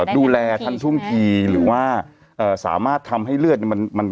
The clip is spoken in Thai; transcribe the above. ดูแลทันท่วงทีหรือว่าสามารถทำให้เลือดเนี่ยมัน